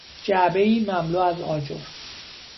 جعبهای مملو از آجر